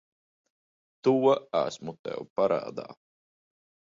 To esmu tev parādā.